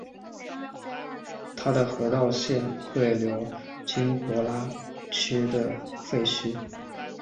它的河道现会流经博格拉区内的废墟。